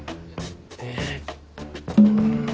えっえうん。